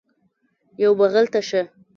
یوه بغل ته شه